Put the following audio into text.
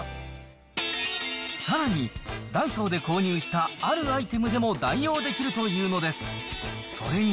さらに、ダイソーで購入したあるアイテムでも代用できるというのです。